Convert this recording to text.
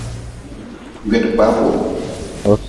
Gwedkpaaku.